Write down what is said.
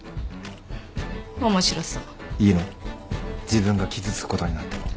自分が傷つくことになっても